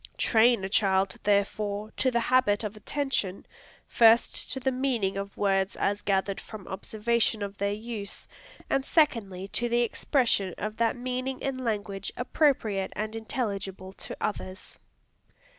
Train a child, therefore, to the habit of attention, first to the meaning of words as gathered from observation of their use, and secondly to the expression of that meaning in language appropriate and intelligible to others.